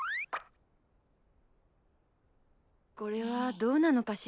これはどうなのかしら。